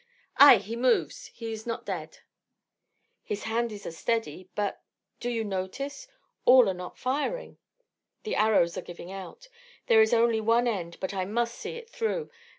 Ay, he moves! He is not dead." "His hand is as steady but do you notice? all are not firing." "The arrows are giving out. There is only one end. But I must see it through.